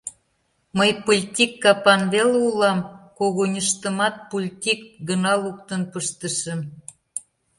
Мый пыльтик капан веле улам, когыньыштымат пультик гына луктын пыштышым.